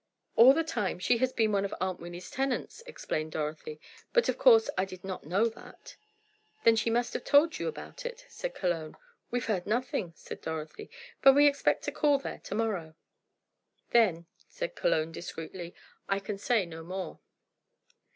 "All the time, she has been one of Aunt Winnie's tenants," explained Dorothy. "But of course I did not know that." "Then she must have told you about it," said Cologne. "We've heard nothing," said Dorothy, "but we expect to call there to morrow." "Then," said Cologne discreetly, "I can say no more."